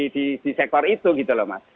di sektor itu gitu loh mas